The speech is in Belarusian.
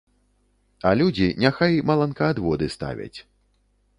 А людзі няхай маланкаадводы ставяць.